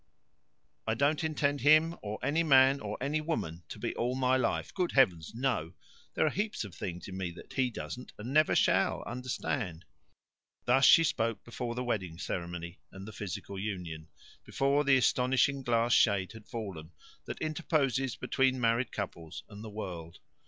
"I don't intend him, or any man or any woman, to be all my life good heavens, no! There are heaps of things in me that he doesn't, and shall never, understand." Thus she spoke before the wedding ceremony and the physical union, before the astonishing glass shade had fallen that interposes between married couples and the world.